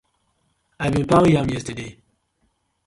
I bin pawn yam yestade.